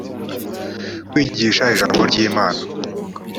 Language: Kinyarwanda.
kwigisha ijambo ry’imana